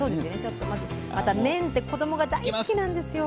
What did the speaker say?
また麺って子どもが大好きなんですよ。